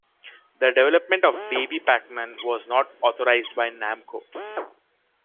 The development of "Baby Pac-Man" was not authorized by Namco.